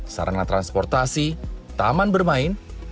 sarana transportasi taman bermain